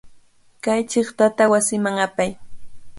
Kay chiqtata wasiman apay.